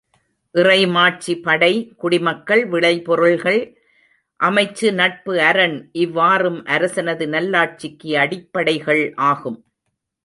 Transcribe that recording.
இறைமாட்சி படை, குடிமக்கள், விளைபொருள்கள், அமைச்சு, நட்பு, அரண் இவ் வாறும் அரசனது நல்லாட்சிக்கு அடிப்படைகள் ஆகும்.